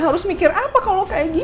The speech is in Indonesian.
harus mikir apa kalau kayak gini